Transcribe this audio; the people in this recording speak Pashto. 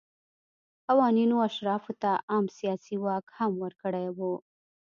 قوانینو اشرافو ته عام سیاسي واک هم ورکړی و.